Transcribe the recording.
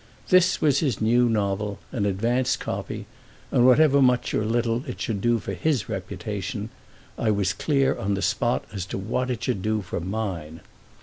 This was his new novel, an advance copy, and whatever much or little it should do for his reputation I was clear on the spot as to what it should do for mine.